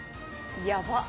やばっ。